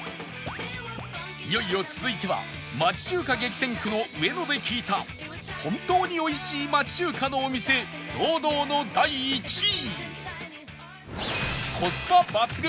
いよいよ続いては町中華激戦区の上野で聞いた本当に美味しい町中華のお店堂々の第１位！